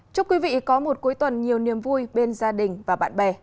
chúc quý vị có một cuối tuần nhiều niềm vui bên gia đình và bạn bè